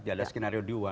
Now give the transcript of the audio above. tidak ada skenario dua